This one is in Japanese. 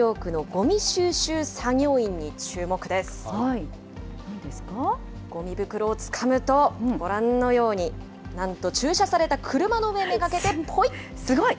ごみ袋をつかむと、ご覧のように、なんと駐車された車の上めがけてぽい。